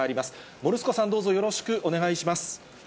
もるすこさん、どうぞよろしくお願いします。